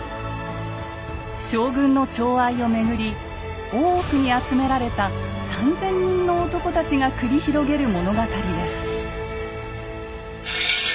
将軍の寵愛をめぐり大奥に集められた３，０００人の男たちが繰り広げる物語です。